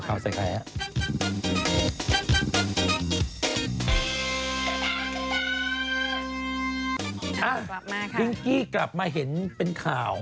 จ้าน่ารย์เป็นข่าว